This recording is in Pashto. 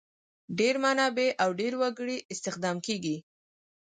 ډېر منابع او ډېر وګړي استخدامیږي.